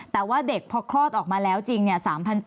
แต่ว่าเด็กพอคลอดออกมาแล้วจริงเนี่ย